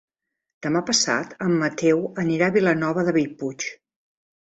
Demà passat en Mateu anirà a Vilanova de Bellpuig.